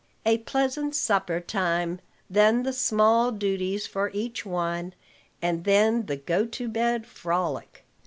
A pleasant supper time; then the small duties for each one; and then the go to bed frolic.